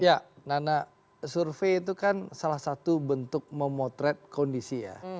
ya nana survei itu kan salah satu bentuk memotret kondisi ya